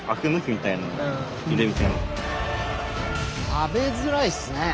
食べづらいっすね。